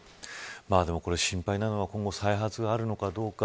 心配なのは今後、再発があるのかどうか。